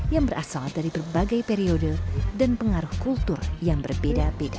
yang berasal dari berbagai periode dan pengaruh kultur yang berbeda beda